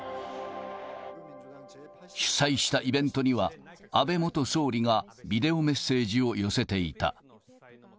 主催したイベントには、安倍元総理がビデオメッセージを寄せていた。